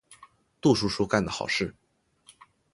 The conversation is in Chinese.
杜叔叔干的好事。